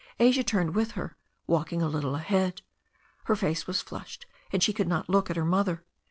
Asia turned with her, walking a little ahead. Her face was flushed, and she could not look at her mother.